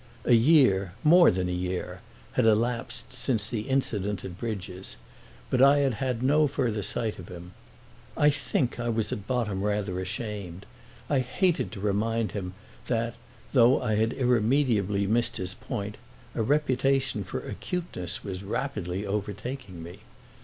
A year—more than a year—had elapsed since the incident at Bridges, but I had had no further sight of him. I think I was at bottom rather ashamed—I hated to remind him that, though I had irremediably missed his point, a reputation for acuteness was rapidly overtaking me.